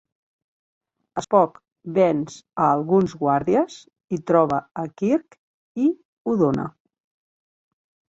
Spock venç a alguns guàrdies i troba a Kirk i Odona.